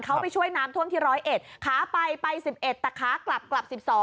เขาไปช่วยน้ำท่วมที่๑๐๑ขาไปไป๑๑แต่ขากลับกลับ๑๒